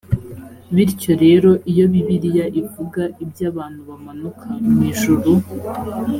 bityo rero iyo bibiliya ivuga iby abantu bamanuka mu ijuru